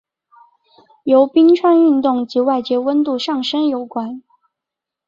由冰川运动及外界温度上升有关。